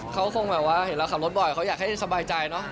เขาคงแบบว่าเห็นเราขับรถบ่อยเขาอยากให้สบายใจเนอะ